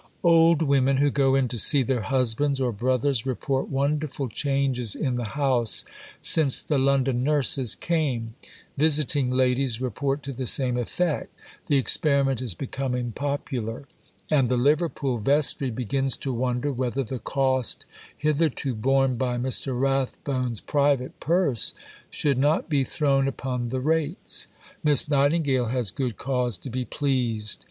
Old women who go in to see their husbands or brothers report wonderful changes in the House since "the London nurses" came. Visiting ladies report to the same effect. The experiment is becoming popular; and the Liverpool Vestry begins to wonder whether the cost hitherto borne by Mr. Rathbone's private purse should not be thrown upon the rates. Miss Nightingale has good cause to be pleased.